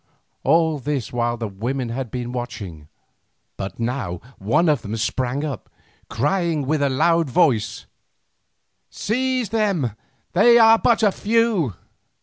All this while the women had been watching, but now one of them sprang up, crying with a loud voice: "Seize them; they are but few."